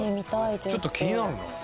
ちょっと気になるな。